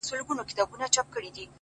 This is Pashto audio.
غزل نه نېښ ساز کړي لړم ساز کړي”